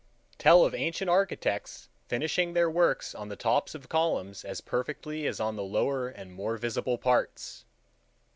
Tell of ancient architects finishing their works on the tops of columns as perfectly as on the lower and more visible parts!